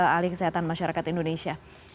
ahli kesehatan masyarakat indonesia